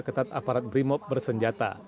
ketat aparat brimop bersenjata